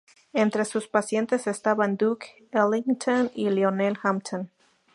Entre sus pacientes estaban Duke Ellington y Lionel Hampton.